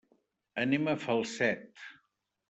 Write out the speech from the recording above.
Anem a Falset.